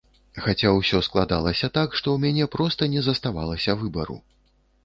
Хаця ўсё складалася так, што ў мяне проста не заставалася выбару.